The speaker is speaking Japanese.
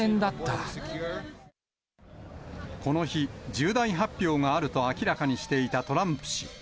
この日、重大発表があると明らかにしていたトランプ氏。